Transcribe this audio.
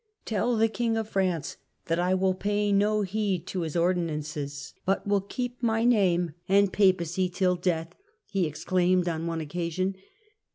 " Tell the King of France that I will pay no heed to his ordinances, but will keep my name and papacy till death," he ex claimed on one occasion.